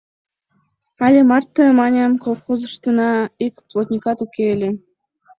— Але марте, маньым, колхозыштына ик плотникат уке ыле.